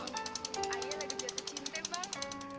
ayah lagi jatuh cinta pak